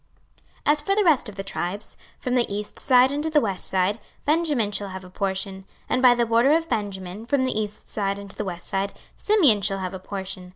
26:048:023 As for the rest of the tribes, from the east side unto the west side, Benjamin shall have a portion. 26:048:024 And by the border of Benjamin, from the east side unto the west side, Simeon shall have a portion.